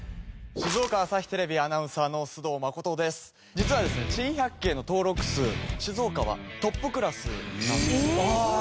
実はですね珍百景の登録数静岡はトップクラスなんです。